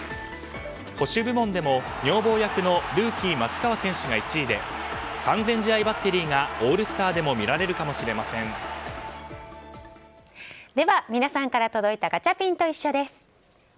保守部門でも女房役のルーキー松川選手が１位で完全試合バッテリーがオールスターでもでは、皆さんから届いたガチャピンといっしょ！です。